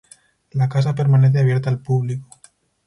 La casa permanece abierta al público.